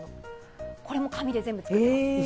これも紙で全部作っている。